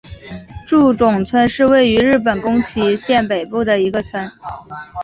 诸冢村是位于日本宫崎县北部的一个村。